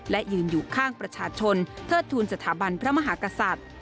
และยืนอยู่ข้างประชาชนเทิดทูลสถาบันพระมหากษัตริย์